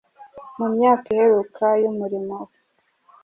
Mu myaka iheruka y’umurimo we,